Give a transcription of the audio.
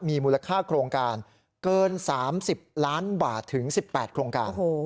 มีมูลค่าโครงการเกิน๓๐ล้านบาทถึง๑๘โครงการ